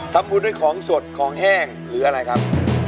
ทำบุญด้วยของสดของแห้งหรืออะไรครับ